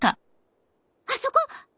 あそこ！